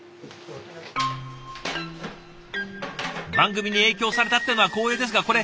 番組に影響されたっていうのは光栄ですがこれ。